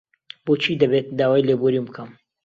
بۆچی دەبێت داوای لێبوورین بکەم؟